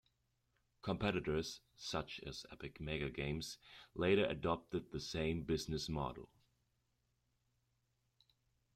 Competitors such as Epic MegaGames later adopted the same business model.